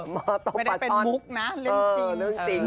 ไม่ได้เป็นมุกนะเล่นจริง